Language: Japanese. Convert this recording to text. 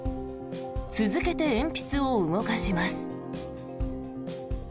続けて鉛筆を動かします。